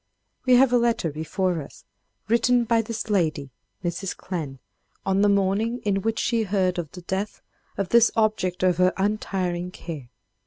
We have a letter before us, written by this lady, Mrs. Clemm, on the morning in which she heard of the death of this object of her untiring care.